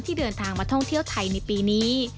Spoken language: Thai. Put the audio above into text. เดินทางมาท่องเที่ยวไทยในปีนี้